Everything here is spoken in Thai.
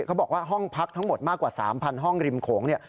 เขาบอกว่าห้องพักทั้งหมดมากกว่า๓๐๐ห้องริมโขงเนี่ย